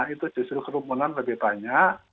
itu justru kerumunan lebih banyak